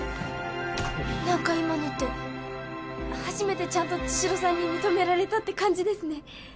なんか今のって初めてちゃんと茅代さんに認められたって感じですね。